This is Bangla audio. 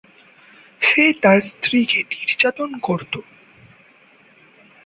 সে তার স্ত্রীকে নির্যাতন করত।